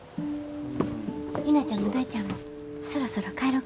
陽菜ちゃんも大ちゃんもそろそろ帰ろか。